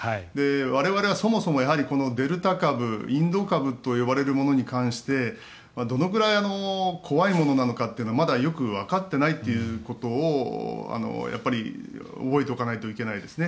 我々はそもそもデルタ株、インド株と呼ばれるものに関してどのぐらい怖いものなのかっていうのはまだよくわかっていないということをやっぱり覚えておいておかないといけないですね。